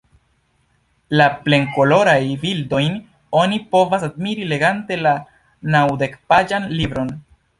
La plenkolorajn bildojn oni povas admiri legante la naŭdekpaĝan libron.